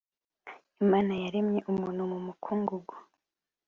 imana yaremye umuntu mu mukungugu.